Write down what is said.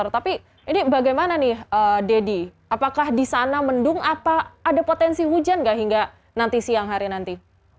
tapi ini bagaimana nih deddy apakah di sana mendung apa ada potensi hujan nggak hingga nanti siang hari nanti